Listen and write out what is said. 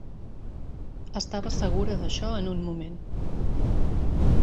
Estava segura d'això en un moment.